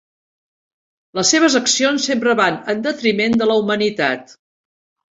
Les seves accions sempre van en detriment de la humanitat.